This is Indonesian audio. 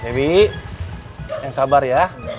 dewi yang sabar ya